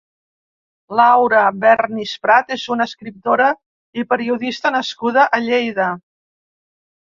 Laura Bernis Prat és una escriptora i periodista nascuda a Lleida.